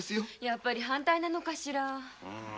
やっぱり反対なのかしら。